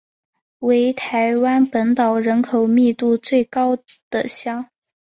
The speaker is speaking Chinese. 为台湾本岛人口密度最高的乡。